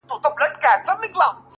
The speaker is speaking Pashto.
ما په قرآن کي د چا ولوستی صفت شېرينې _